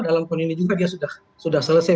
dalam pon ini juga dia sudah selesai